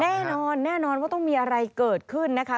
แน่นอนแน่นอนว่าต้องมีอะไรเกิดขึ้นนะคะ